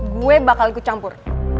gue bakal ikut campur